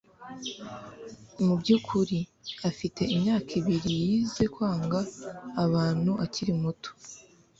mubyukuri, afite imyaka ibiri yize kwanga abantu akiri muto